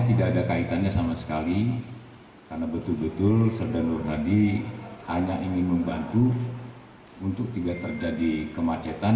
tidak ada kaitannya sama sekali karena betul betul serda nur hadi hanya ingin membantu untuk tidak terjadi kemacetan